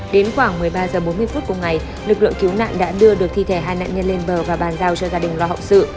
đến khoảng một mươi ba h bốn mươi phút cùng ngày lực lượng cứu nạn đã đưa được thi thể hai nạn nhân lên bờ và bàn giao cho gia đình lo hậu sự